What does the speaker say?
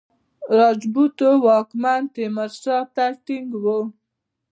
راجپوتو واکمن تیمورشاه ته ټینګ وو.